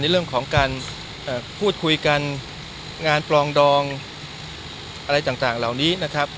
เรื่องของการพูดคุยกันงานปลองดองอะไรต่างเหล่านี้นะครับ